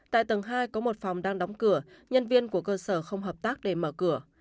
tại tầng hai có một phòng đang đóng cửa nhân viên của cơ sở không hợp tác để mở cửa